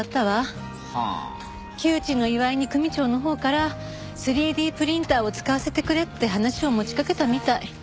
旧知の岩井に組長のほうから３Ｄプリンターを使わせてくれって話を持ちかけたみたい。